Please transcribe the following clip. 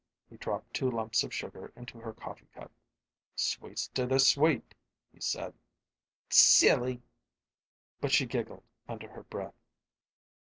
He dropped two lumps of sugar into her coffee cup. "Sweets to the sweet," he said. "Silly!" But she giggled under her breath.